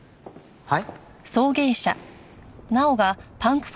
はい！